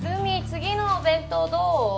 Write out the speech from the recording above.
次のお弁当どう？